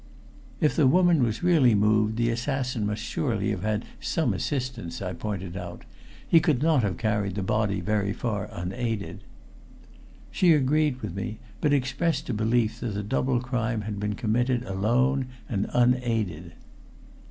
"If the woman was really removed the assassin must surely have had some assistance," I pointed out. "He could not have carried the body very far unaided." She agreed with me, but expressed a belief that the double crime had been committed alone and unaided.